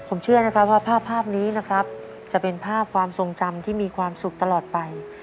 ผมเชื่อนะครับว่าภาพนี้นะครับจะเป็นภาพความทรงจำที่มีความสุขตลอดไป